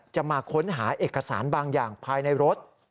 จะมาค้นหาเอกสารบางอย่างภายในรถ